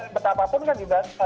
betapapun kan juga